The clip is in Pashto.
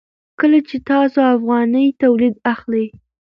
کله چې تاسو افغاني تولید اخلئ.